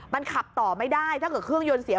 มันขับต่อไม่ได้ถ้าเกิดเครื่องยนต์เสีย